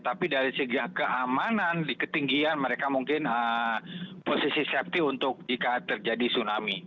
tapi dari segi keamanan di ketinggian mereka mungkin posisi safety untuk jika terjadi tsunami